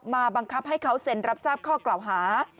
บังคับให้เขาเซ็นรับทราบข้อกล่าวหา